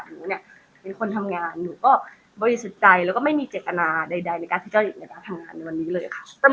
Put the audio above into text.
หนูเนี่ยเป็นคนทำงานหนูก็บริสุทธิ์ใจแล้วก็ไม่มีเจตนาใดในการที่จะทำงานในวันนี้เลยค่ะ